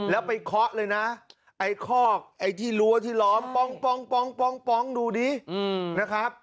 แล้วไปเคาะเลยนะไอ้คอกไอ้ที่รั้วที่ล้อมป้องดูดินะครับ